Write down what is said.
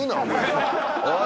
おい！